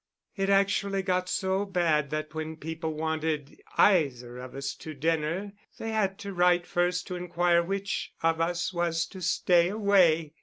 It actually got so bad that when people wanted either of us to dinner they had to write first to inquire which of us was to stay away.